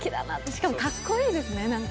しかもかっこいいですね、なんか。